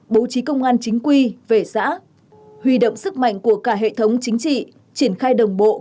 bố trí công an chính quy về xã huy động sức mạnh của cả hệ thống chính trị triển khai đồng bộ